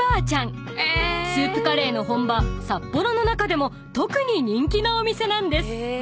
［スープカレーの本場札幌の中でも特に人気のお店なんです］